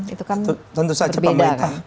itu kan berbeda kan